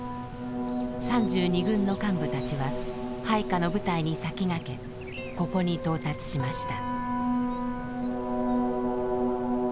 ３２軍の幹部たちは配下の部隊に先駆けここに到達しました。